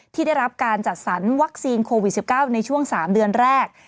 ที่ได้รับการจัดสรรวัคซีนโควิด๑๙ในช่วง๓เดือนแรก